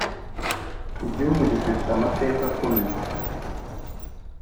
igihugu gifite amateka akomeye